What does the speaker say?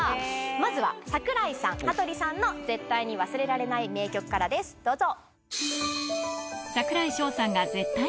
まずは櫻井さん羽鳥さんの絶対に忘れられない名曲からですどうぞ。